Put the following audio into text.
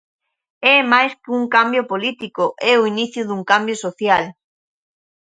É máis que un cambio político, é o inicio dun cambio social.